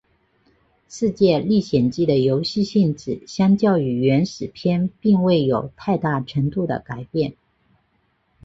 世界历险记的游戏性质相较于原始片并未有太大程度的改变。